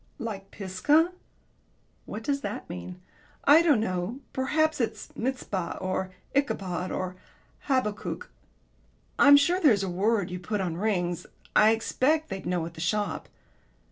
"Like 'Pisgah'?" "What does that mean?" "I don't know. Perhaps it's 'Mizpah,' or 'Ichabod,' or 'Habakkuk.' I'm sure there's a word you put on rings I expect they'd know at the shop."